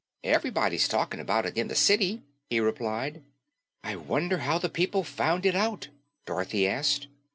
"Ev'rybody's talking about it in the City," he replied. "I wonder how the people found it out," Dorothy asked.